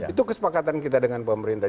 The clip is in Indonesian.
itu kesepakatan kita dengan pemerintah